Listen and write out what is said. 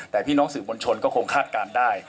แต่พี่น้องสื่อมวลชนก็คงคาดการณ์ได้